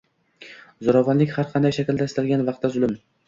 Zo'ravonlik, har qanday shaklda, istalgan vaqtda zulm